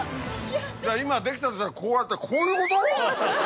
今できたとしたらこうやってこういうこと？